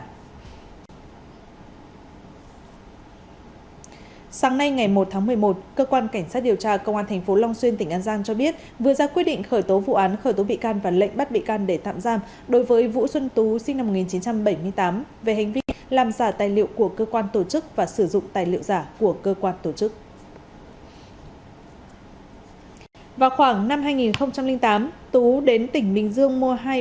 trước đó vào ngày một mươi ba tháng một mươi cơ quan cảnh sát điều tra công an tỉnh lai châu đã ra quyết định khởi tố vụ án khởi tố bị can đối với ông lý trà lối